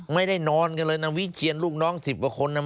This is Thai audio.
ไม่ได้นอนกันเลยนะวิเชียนลูกน้อง๑๐กว่าคนนะ